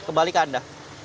kebalik ke anda